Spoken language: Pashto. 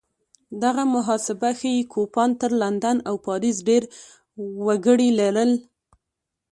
دغه محاسبه ښيي کوپان تر لندن او پاریس ډېر وګړي لرل.